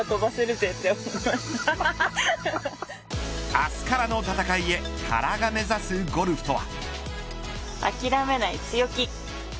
明日からの戦いへ原が目指すゴルフとは。